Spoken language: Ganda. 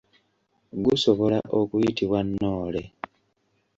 Gusobola okuyitibwa nnoole.